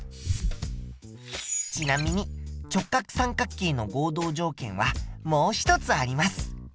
ちなみに直角三角形の合同条件はもう一つあります。